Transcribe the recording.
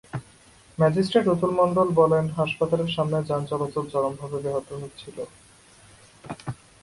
Magistrate Atul Mondal বলেন, হাসপাতালের সামনে যান চলাচল চরমভাবে ব্যাহত হচ্ছিল।